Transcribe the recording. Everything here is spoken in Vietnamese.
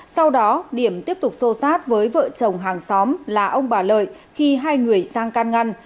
sau đó điểm tiếp tục xô sát với vợ chồng hàng xóm là ông bà lợi khi hai người sang can ngăn